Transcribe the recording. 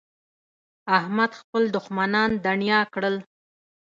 احمد خپل دوښمنان دڼيا کړل.